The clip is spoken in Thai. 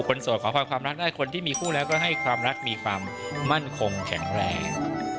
โสดขอพรความรักได้คนที่มีคู่แล้วก็ให้ความรักมีความมั่นคงแข็งแรง